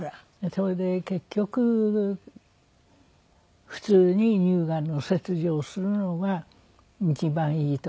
それで結局普通に乳がんの切除をするのが一番いいと。